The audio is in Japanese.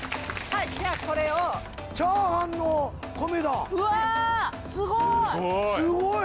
はいじゃあこれをチャーハンの米だうわすごい！